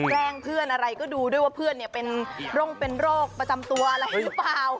แกล้งเพื่อนอะไรก็ดูด้วยว่าเพื่อนเป็นโรคเป็นโรคประจำตัวอะไรหรือเปล่า